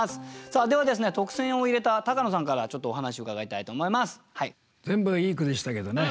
では特選を入れた高野さんからちょっとお話伺いたいと思います。